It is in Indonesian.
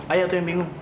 ayah tuh yang bingung